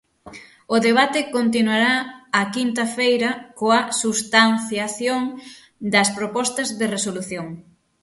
O debate continuará a quinta feira coa substanciación das propostas de resolución.